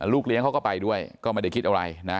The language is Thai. เลี้ยงเขาก็ไปด้วยก็ไม่ได้คิดอะไรนะ